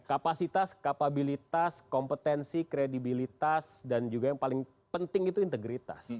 kapasitas kapabilitas kompetensi kredibilitas dan juga yang paling penting itu integritas